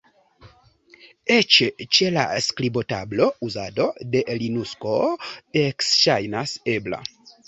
Eĉ ĉe la skribotablo, uzado de Linukso ekŝajnas ebla.